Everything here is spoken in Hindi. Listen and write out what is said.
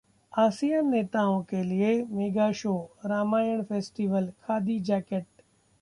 आसियान नेताओं के लिए mega show: Ramayana festival, khadi jacket